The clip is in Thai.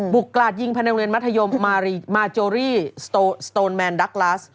กราดยิงภายในโรงเรียนมัธยมมาโจรี่สโตนแมนดักลัส